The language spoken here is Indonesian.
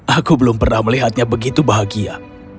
aku belum pernah melihatnya begitu bahagia